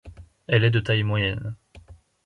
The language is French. Elle est de taille moyenne.